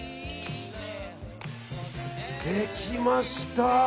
できました！